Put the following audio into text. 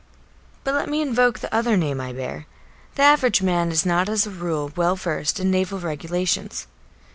But let me invoke the other name I bear. The average man is not as a rule well versed in Naval Regulations.